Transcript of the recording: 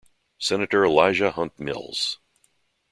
Senator Elijah Hunt Mills.